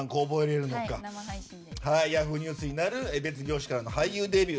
Ｙａｈｏｏ！ニュースになる別業種からの俳優デビュー。